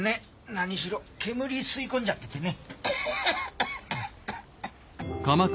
なにしろ煙吸い込んじゃっててね。